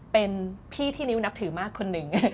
เป็นพี่ที่นิ้วนับถือมากคนหนึ่ง